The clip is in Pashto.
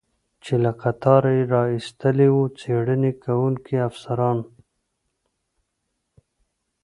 چې له قطاره یې را ایستلی و، څېړنې کوونکي افسران.